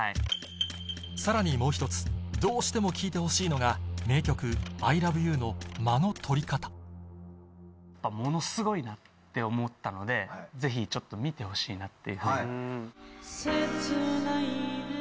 さらにもう１つどうしても聴いてほしいのが名曲『ＩＬＯＶＥＹＯＵ』の間の取り方ものすごいなって思ったのでぜひちょっと見てほしいなって。